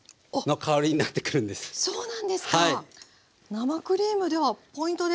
生クリームではポイントですね。